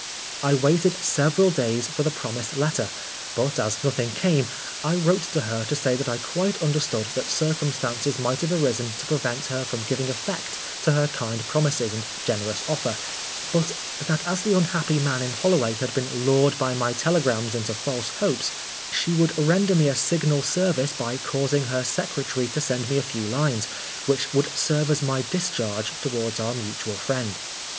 I waited several days for the promised letter, but as nothing came, I wrote to her to say that I quite understood that circum stances might have arisen to prevent her from giving effect to her kind promises and generous offer, but that as the unhappy man in Hollo way had been lured by my telegrams into false hopes, she would render me a 142 Oscar Wilde signal service by causing her secretary to send me a few lines, which would serve as my discharge towards our mutual friend.